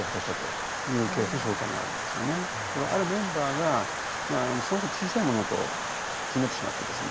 あるメンバーがすごく小さい物事を気になってしまってですね